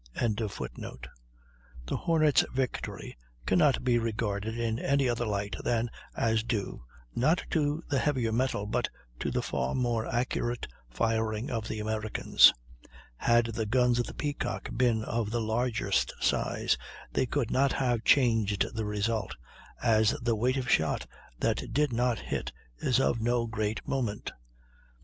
] The Hornet's victory cannot be regarded in any other light than as due, not to the heavier metal, but to the far more accurate firing of the Americans; "had the guns of the Peacock been of the largest size they could not have changed the result, as the weight of shot that do not hit is of no great moment."